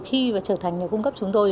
khi trở thành nhà cung cấp chúng tôi